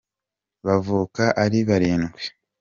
bavuka ari barindwi.